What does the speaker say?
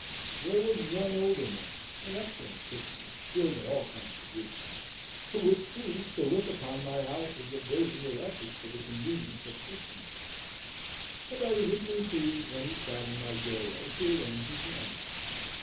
There was one older man, an excellent fisher and skilled in all kinds of woodcraft, who was pleased to look upon my house as a building erected for the convenience of fishermen; and I was equally pleased when he sat in my doorway to arrange his lines.